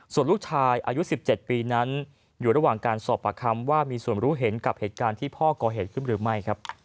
ส่วนลูกชายอายุ๑๗ปีนั้นอยู่ระหว่างการสอบปากคำว่ามีส่วนรู้เห็นกับเหตุการณ์ที่พ่อก่อเหตุขึ้นหรือไม่